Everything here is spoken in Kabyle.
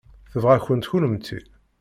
Tebɣa-kent kennemti.